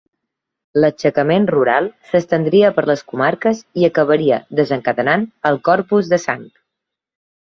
L'aixecament rural s'estendria per les comarques i acabaria desencadenant el Corpus de Sang.